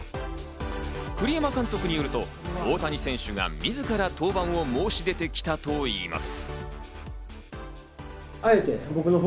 栗山監督によると、大谷選手が自ら登板を申し出てきたといいます。